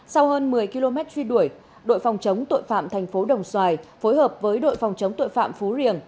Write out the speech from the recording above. sau hơn một mươi km truy đuổi đội phòng chống tội phạm thành phố đồng xoài phối hợp với đội phòng chống tội phạm phú riềng